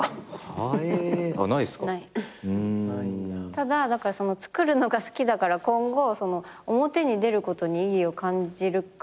ただつくるのが好きだから今後表に出ることに意義を感じるかどうか。